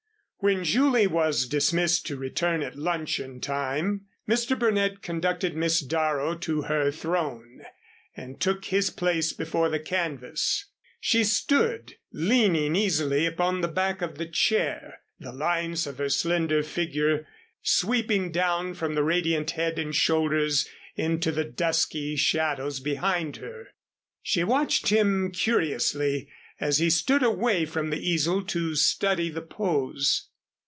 When Julie was dismissed to return at luncheon time, Mr. Burnett conducted Miss Darrow to her throne and took his place before the canvas. She stood leaning easily upon the back of the chair, the lines of her slender figure sweeping down from the radiant head and shoulders into the dusky shadows behind her. She watched him curiously as he stood away from the easel to study the pose.